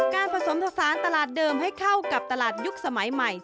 ผสมผสานตลาดเดิมให้เข้ากับตลาดยุคสมัยใหม่